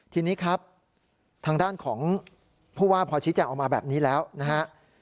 ทีนี้ครับทางด้านของผู้ว่าพอชี้แจงออกมาแบบนี้แล้วนะฮะ